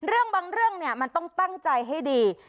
บางเรื่องเนี่ยมันต้องตั้งใจให้ดี